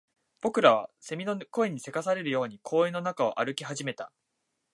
僕らは蝉の声に急かされるように公園の中を歩き始めた